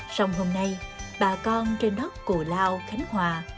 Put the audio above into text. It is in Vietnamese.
sông hôm nay bà con trên đất cổ lao khánh hòa